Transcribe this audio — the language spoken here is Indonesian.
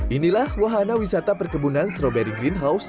inilah wahana wisata perkebunan stroberi greenhouse